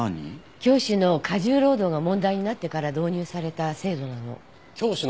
教師の過重労働が問題になってから導入された制度なの。